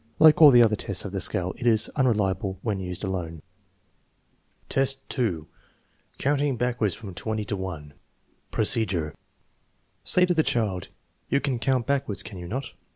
Like all the other tests of the scale, it is unreliable when used alone. V3H, 2. Counting backwards from 20 to 1 Procedure. Say to the child: "You can count backwards, can you not